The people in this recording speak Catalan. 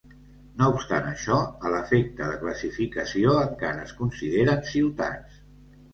No obstant això, a l'efecte de classificació, encara es consideren ciutats.